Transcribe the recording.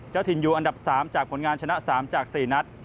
เจ้าถิ่นอยู่อันดับ๓จากผลงานชนะ๓จาก๔นัด